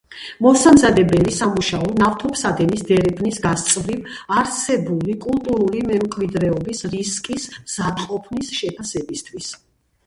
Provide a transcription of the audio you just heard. მოსამზადებელი სამუშაო ნავთობსადენის დერეფნის გასწვრივ არსებული კულტურული მემკვიდრეობის რისკის მზადყოფნის შეფასებისთვის.